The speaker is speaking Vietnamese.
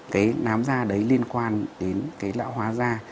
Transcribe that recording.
cái nám da đấy liên quan đến cái lão hóa da